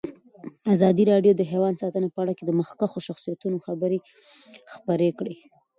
ازادي راډیو د حیوان ساتنه په اړه د مخکښو شخصیتونو خبرې خپرې کړي.